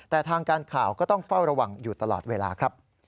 แต่ทางการข่าวก็ต้องเฝ้าระวังอยู่ตลอดเวลาครับ